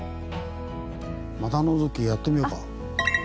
股のぞきやってみようか。